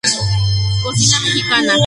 Cocina mexicana.